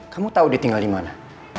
kamu tau dia tinggal dimana